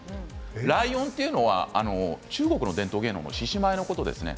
ライオンというのは中国の伝統芸能の獅子舞のことですね。